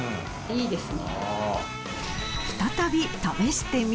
いいですね。